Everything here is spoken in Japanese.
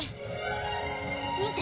見て。